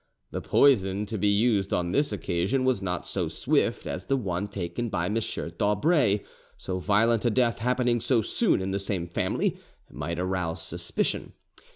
The poison to be used on this occasion was not so swift as the one taken by M. d'Aubray so violent a death happening so soon in the same family might arouse suspicion.